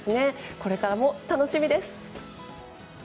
これからも楽しみです。